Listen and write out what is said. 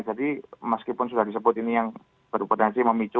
jadi meskipun sudah disebut ini yang berpotensi memicu